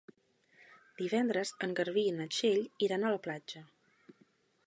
Divendres en Garbí i na Txell iran a la platja.